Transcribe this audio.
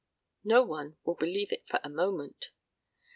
No one will believe it for a moment.